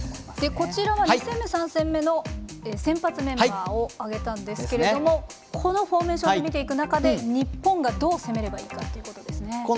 こちらは２戦目、３戦目の先発メンバーを挙げたんですけどこのフォーメーションで見ていく中で日本がどう攻めればいいかということですね。